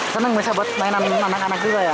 senang bisa buat mainan anak anak juga ya